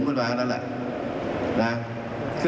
เมื่ออาลุงท